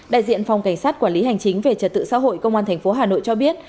đại diện phòng cảnh sát quản lý hành chính về trật tự xã hội công an tp hà nội cho biết